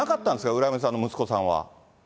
浦上さんの息子さんは。